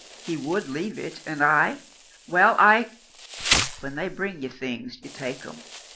He would leave it, and I — well, I —" "When they bring ye things, you take 'em.